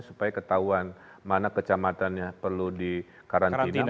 supaya ketahuan mana kecamatannya perlu dikarantina